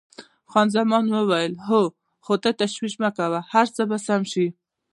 خان زمان وویل: هو، خو ته تشویش مه کوه، هر څه به سم شي.